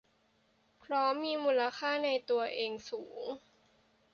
เพราะมีมูลค่าในตัวเองสูง